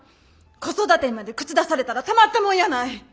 子育てにまで口出されたらたまったもんやない。